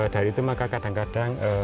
dari itu maka kadang kadang